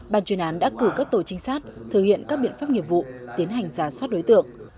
bàn chuyên án đã cử các tổ trinh sát thực hiện các biện pháp nghiệp vụ tiến hành giả soát đối tượng